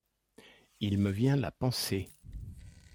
il me vient la pensée.